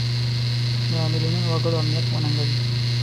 د میلیونونو وګړو امنیت وننګوي.